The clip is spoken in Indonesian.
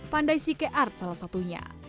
pandai sike art salah satunya